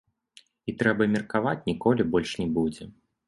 І, трэба меркаваць, ніколі больш не будзе!